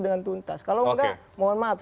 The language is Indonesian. dengan tuntas kalau enggak mohon maaf